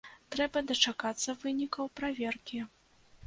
Трэба дачакацца вынікаў праверкі.